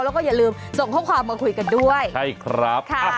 แล้วก็อย่าลืมส่งข้อความมาคุยกันด้วยใช่ครับ